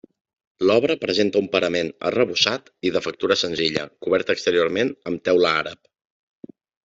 L'obra presenta un parament arrebossat i de factura senzilla, cobert exteriorment amb teula àrab.